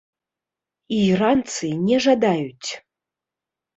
І іранцы не жадаюць.